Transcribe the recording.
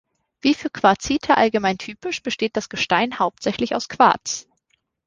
Wie für Quarzite allgemein typisch, besteht das Gestein hauptsächlich aus Quarz.